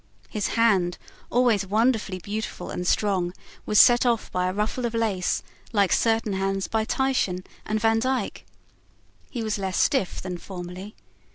His hand, always wonderfully beautiful and strong, was set off by a ruffle of lace, like certain hands by Titian and Vandyck. He was less stiff than formerly.